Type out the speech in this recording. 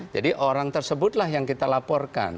jadi orang tersebutlah yang kita laporkan